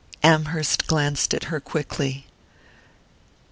Amherst glanced at her quickly.